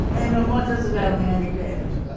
もう一つぐらいお願いできれば。